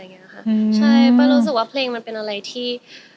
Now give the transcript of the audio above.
ใช่ป้ารู้สึกว่าเพลงมันเป็นอะไรที่